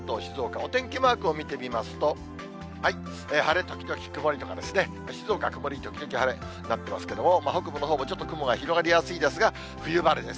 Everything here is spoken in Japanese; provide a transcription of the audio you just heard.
お天気マークを見てみますと、晴れ時々曇りとかですね、静岡、曇り時々晴れになっていますけれども、北部のほうもちょっと雲が広がりやすいですが、冬晴れです。